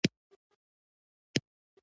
شیدې د مور مهر ښيي